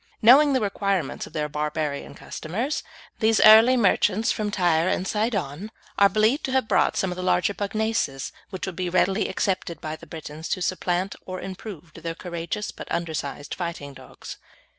Knowing the requirements of their barbarian customers, these early merchants from Tyre and Sidon are believed to have brought some of the larger pugnaces, which would be readily accepted by the Britons to supplant, or improve, their courageous but undersized fighting dogs.